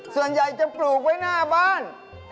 ส่วนใหญ่จะปลูกไว้หน้าบ้าน